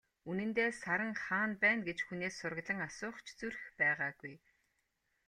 Үнэндээ, Саран хаана байна гэж хүнээс сураглан асуух ч зүрх байгаагүй.